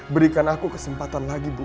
berikan aku kesempatan lagi bu